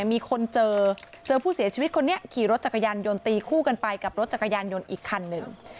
มีคนเจอเจอผู้เสียชีวิตคนนี้ขี่รถจักรยานยนต์ตีคู่กันไปกับรถจักรยานยนต์อีกคันหนึ่ง